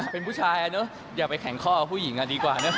เป็นผู้ชายเนอะอย่าไปแข็งข้อเอาผู้หญิงดีกว่าเนอะ